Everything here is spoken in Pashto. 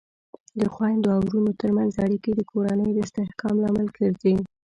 د خویندو او ورونو ترمنځ اړیکې د کورنۍ د استحکام لامل ګرځي.